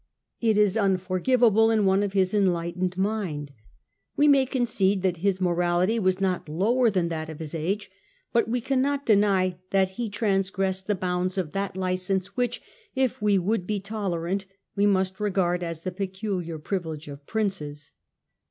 It is unforgivable in one of his enlightened mind. We may concede that his morality was not lower than that of his age ; but we cannot deny that he transgressed the bounds of that licence which, if we would be tolerant, we must regard as the peculiar privilege of princes.